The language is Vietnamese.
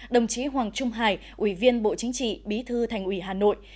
đồng chí hoàng trung hải ủy viên bộ chính trị bí thư thành ủy hà nội